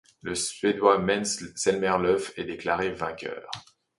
Le suédois Måns Zelmerlöw est déclaré vainqueur.